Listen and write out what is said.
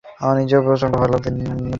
তিনি গবেষণা শুরু করেন।